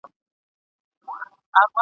ویل یې زندګي خو بس په هجر تمامېږي ..